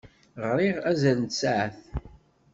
Ɣriɣ azal n tsaɛet.